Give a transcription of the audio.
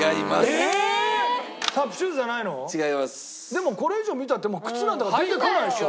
でもこれ以上見たって靴なんだから出てこないでしょ？